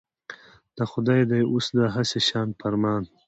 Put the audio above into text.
د خدای دی اوس دا هسي شان فرمان.